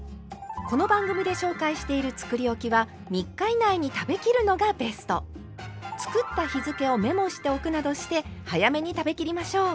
この番組で紹介しているつくりおきは３日以内に食べきるのがベスト。などして早めに食べきりましょう。